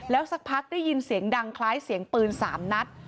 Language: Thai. สักพักได้ยินเสียงดังคล้ายเสียงปืน๓นัด